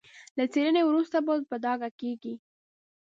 له څېړنې وروسته په ډاګه کېږي.